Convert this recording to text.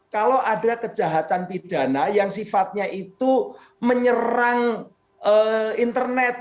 kalau ada kejahatan pidana yang sifatnya itu menyerang internet